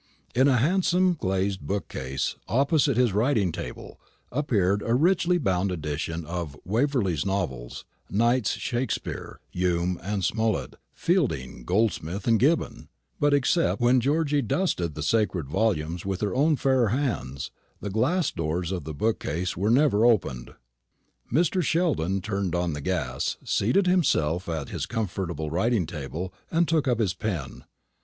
In a handsome glazed bookcase, opposite his writing table, appeared a richly bound edition of the Waverley Novels, Knight's Shakespeare, Hume and Smollett, Fielding, Goldsmith, and Gibbon; but, except when Georgy dusted the sacred volumes with her own fair hands, the glass doors of the bookcase were never opened. Mr. Sheldon turned on the gas, seated himself at his comfortable writing table, and took up his pen.